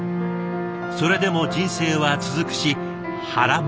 それでも人生は続くし腹も減る。